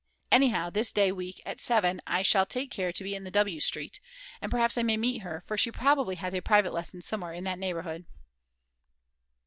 Anyhow, this day week at 7 I shall take care to be in W. Street, and perhaps I may meet her, for she probably has a private lesson somewhere in that neighborhood.